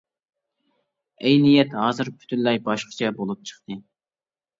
ئەينىيەت ھازىر پۈتۈنلەي باشقىچە بولۇپ چىقتى.